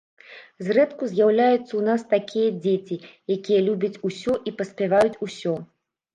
Зрэдку з'яўляюцца ў нас такія дзеці, якія любяць усё і паспяваюць усё!